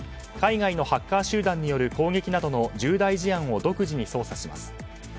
海外のハッカー集団による攻撃などの重大事案を独自に捜査します。